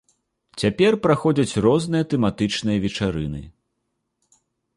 Цяпер праходзяць розныя тэматычныя вечарыны.